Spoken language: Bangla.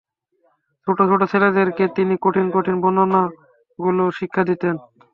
ছোট ছোট ছেলেদেরকে তিনি কঠিন কঠিন বর্ণগুলো শিক্ষা দিতেন।